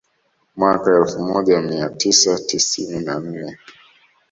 Mwaka elfu moja mia tisa tisini na nne